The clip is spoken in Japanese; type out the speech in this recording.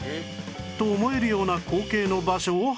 と思えるような光景の場所を発見